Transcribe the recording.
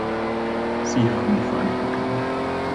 Sie haben die Verantwortung.